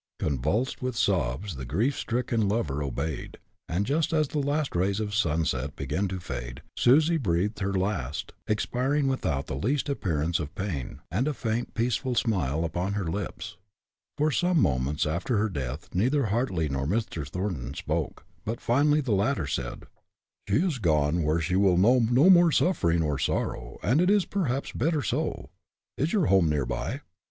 Convulsed with sobs, the grief stricken lover obeyed, and, just as the last rays of sunset began to fade, Susie breathed her last, expiring without the least appearance of pain, and a faint, peaceful smile upon her lips. For some moments after her death neither Hartly nor Mr. Thornton spoke, but finally the latter said: "She has gone where she will know no more suffering or sorrow and it is perhaps better so. Is your home near by?"